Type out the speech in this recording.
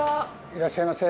いらっしゃいませ。